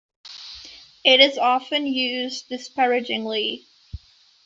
It is often used disparagingly.